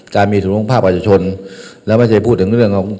การมีส่วนร่วมภาคประชาชนแล้วไม่ใช่พูดถึงเรื่องของ